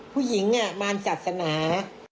ผู้หญิงมารศาสนา